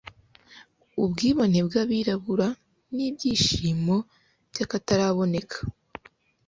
ubwibone bw'abirabura, n'ibyishimo by'akataraboneka